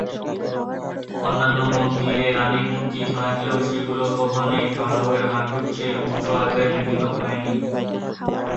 অন্যান্য মন্দিরে রাণীর মূর্তি থাকলেও সেগুলো কখনোই ফারাওয়ের হাঁটুর চেয়ে উচু আকারে নির্মিত হয়নি।